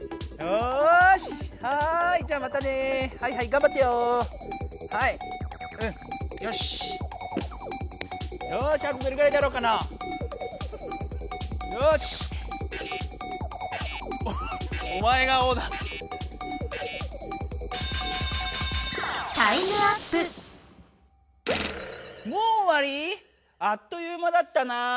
あっという間だったな。